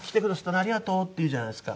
ありがとう」って言うじゃないですか。